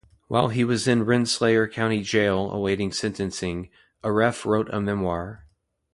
While he was in Rensselaer County Jail awaiting sentencing, Aref wrote a memoir.